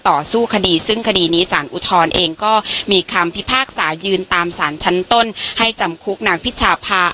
ต่อสู้คดีซึ่งคดีนี้สารอุทธรณ์เองก็มีคำพิพากษายืนตามสารชั้นต้นให้จำคุกนางพิชาภา